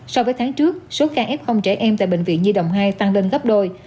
so với tháng trước số ca f trẻ em tại bệnh viện nhi đồng hai tăng lên gấp đôi